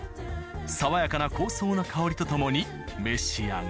爽やかな香草の香りと共に召し上がれ。